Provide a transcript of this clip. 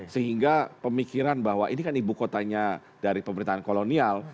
sehingga pemikiran bahwa ini kan ibu kotanya dari pemerintahan kolonial